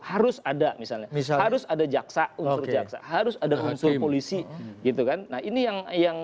harus ada misalnya harus ada jaksa harus ada unsur polisi gitu kan